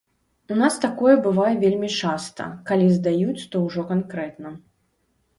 У нас такое бывае вельмі часта, калі здаюць, то ўжо канкрэтна.